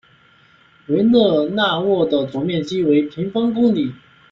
维勒讷沃的总面积为平方公里。